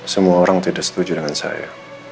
semua orang tidak setuju dengan saya